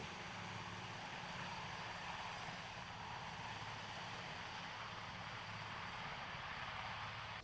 sebelum kembali ke panggilan panggilan ini diperlukan untuk mengambil alih